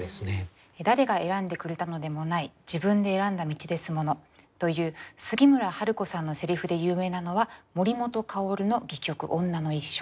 「“誰が選んでくれたのでもない自分で選んだ道ですもの”という杉村春子さんの台詞で有名なのは森本薫の戯曲『女の一生』。